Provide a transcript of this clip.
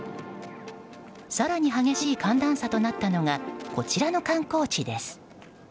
更に、激しい寒暖差となったのがこちらの観光地です。